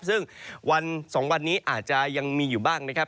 ซึ่งวัน๒วันนี้อาจจะยังมีอยู่บ้างนะครับ